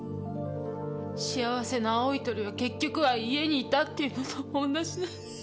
幸せの青い鳥は結局は家にいたってのと同じね。